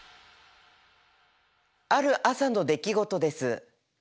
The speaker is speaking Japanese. ある朝の出来事です。